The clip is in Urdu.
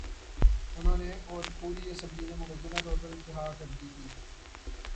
انہوں نے اور پوری اسمبلی نے مبینہ طور پر انتہا کر دی تھی۔